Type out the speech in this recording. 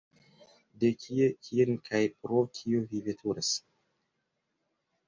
De kie, kien kaj pro kio vi veturas?